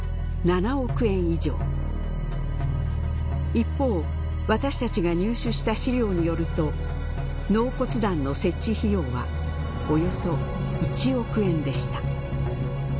一方私たちが入手した資料によると納骨壇の設置費用はおよそ１億円でした。